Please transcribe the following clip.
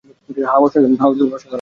হ্যাঁ, অসাধারণ।